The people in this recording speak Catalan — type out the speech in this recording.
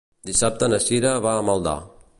Dissabte na Cira va a Maldà.